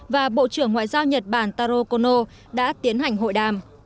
và bộ trưởng ngoại giao nhật bản taro kono đã tiến hành hội đàm